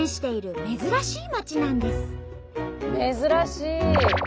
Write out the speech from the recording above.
珍しい！